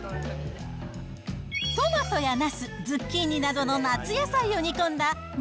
トマトやなす、ズッキーニなどの夏野菜を煮込んだ南